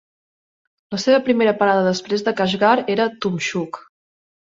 La seva primera parada després de Kashgar era Tumxuk.